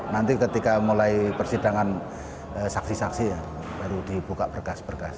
nanti ketika mulai persidangan saksi saksi ya baru dibuka berkas berkas